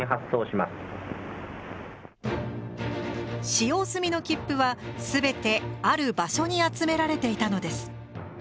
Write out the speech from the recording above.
使用済みの切符は全てある場所に集められていたのです。